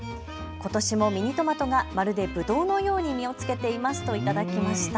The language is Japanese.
ことしもミニトマトがまるでぶどうのように実をつけていますといただきました。